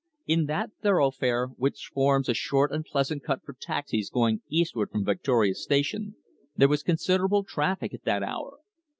In that thoroughfare, which forms a short and pleasant cut for taxis going eastward from Victoria station, there was considerable traffic at that hour.